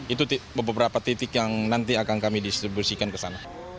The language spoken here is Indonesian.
itu beberapa titik yang nanti akan kami distribusikan ke sana